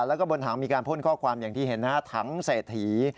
แล้วก็บนถังมีการพ่นข้อความอย่างที่เห็นนะฮะถังเศรษฐี